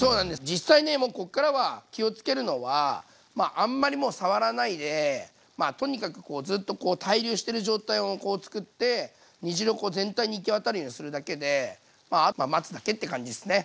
実際ねもうこっからは気をつけるのはあんまりもう触らないでとにかくずっと対流してる状態を作って煮汁を全体に行き渡るようにするだけであとは待つだけって感じですね。